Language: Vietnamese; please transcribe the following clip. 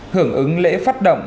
hưởng ứng lễ phát động